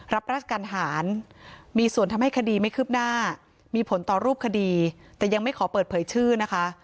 รับราชการหารมีส่วนทำให้คดีไม่คืบหน้ามีผลต่อรูปคดีแต่ยังไม่ขอเปิดเผยชื่อนะคะ